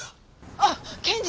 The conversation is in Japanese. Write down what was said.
あっ検事！